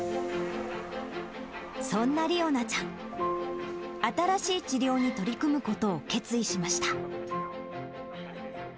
そんな理央奈ちゃん、新しい治療に取り組むことを決意しました。